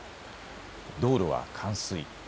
道路は冠水。